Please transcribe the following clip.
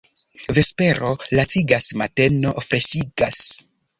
Vespero lacigas, mateno freŝigas.